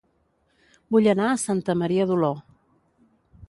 Vull anar a Santa Maria d'Oló